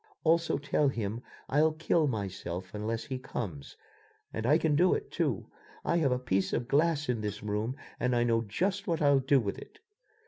Also tell him I'll kill myself unless he comes, and I can do it, too. I have a piece of glass in this room and I know just what I'll do with it."